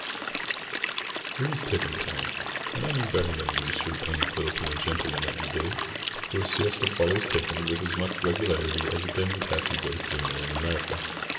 It was tiffin time, and I knew better than to disturb any Filipino gentleman at midday. For a siesta follows tiffin with as much regularity as a demi tasse does dinner in America.